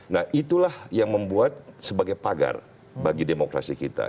nah itulah yang membuat sebagai pagar bagi demokrasi kita